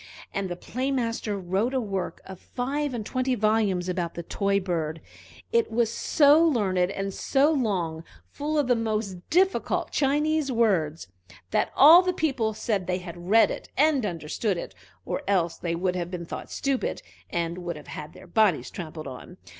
And the Play master wrote a work of five and twenty volumes about the toy bird: it was so learned and so long, full of the most difficult Chinese words, that all the people said they had read it and understood it, or else they would have been thought stupid, and would have had their bodies trampled on.